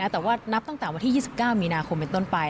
แต่ว่านับตั้งแต่วันที่๒๙มีนาคมเป็นต้นไป